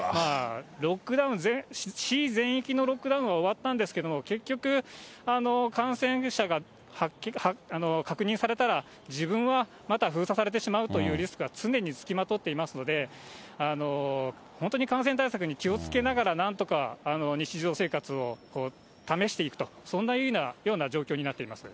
ロックダウン、市全域のロックダウンは終わったんですけれども、結局、感染者が確認されたら、自分はまた封鎖されてしまうというリスクは常に付きまとっていますので、本当に感染対策に気をつけながらなんとか、日常生活を試していくと、そんなような状況になっています。